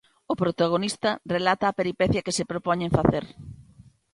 O protagonista relata a peripecia que se propoñen facer.